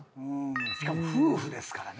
しかも夫婦ですからね。